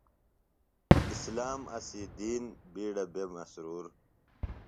اسلام اسے دین بِیڈہ بےۡ مسرور۔